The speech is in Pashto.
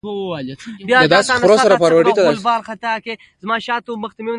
چابکه چابکه او ژوره ساه يې کښل.